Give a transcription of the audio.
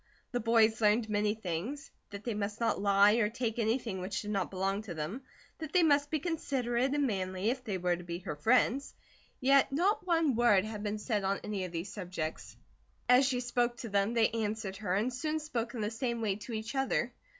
The boys learned many things: that they must not lie or take anything which did not belong to them; that they must be considerate and manly, if they were to be her friends; yet not one word had been said on any of these subjects. As she spoke to them, they answered her, and soon spoke in the same way to each other.